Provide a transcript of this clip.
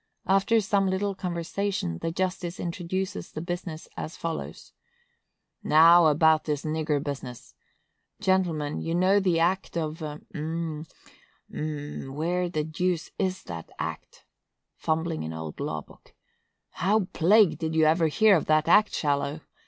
After some little conversation, the justice introduces the business as follows: "Now, about this nigger business. Gentlemen, you know the act of——um—um,—where the deuce is that act? [Fumbling an old law book.] How plagued did you ever hear of that act, Shallow?